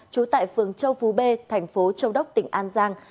trú tại phường châu phú b thành phố châu đốc tỉnh an giang